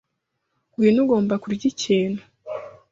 Ngwino, ugomba kurya ikintu,